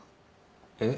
えっ？